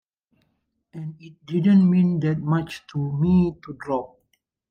And it didn't mean that much to me to drop.